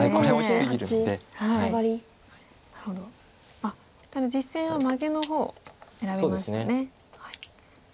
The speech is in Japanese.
あっただ実戦はマゲの方を選びましたね。